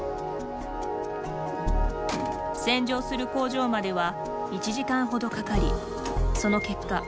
洗浄する工場までは１時間ほどかかりその結果